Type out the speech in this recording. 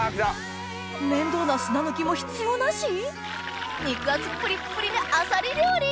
面倒な砂抜きも必要なし⁉肉厚プリップリなあさり料理！